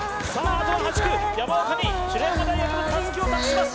あとは８区山岡に白山大学の襷を託します